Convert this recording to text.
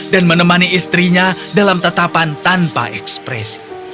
dan menemani istrinya dalam tetapan tanpa ekspresi